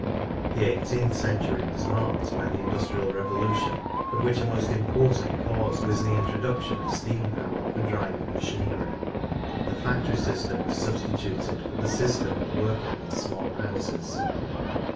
The eighteenth century was marked by the Industrial Revolution, of which a INDUSTRIES AND MANUFACTURES 97 most important cause was the introduction of steam power for driving machinery; and the factory system was substi tuted for the system of working in small houses.